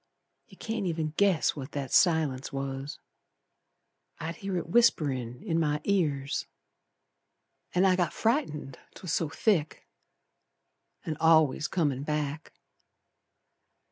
You can't even guess what that silence was. I'd hear it whisperin' in my ears, An' I got frightened, 'twas so thick, An' al'ays comin' back.